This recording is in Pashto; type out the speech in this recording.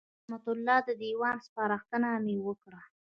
د رحمت الله د دېوان سپارښتنه مې وکړه.